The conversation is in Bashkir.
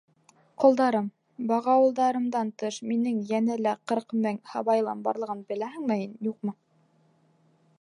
— Ҡолдарым, бағауылдарымдан тыш, минең йәнә лә ҡырҡ мең һыбайлым барлығын беләһеңме һин, юҡмы?